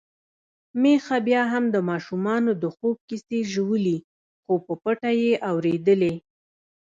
میښه بيا هم د ماشومانو د خوب کیسې ژولي، خو په پټه يې اوريدلې.